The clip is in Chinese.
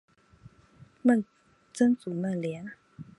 曾祖孟廉。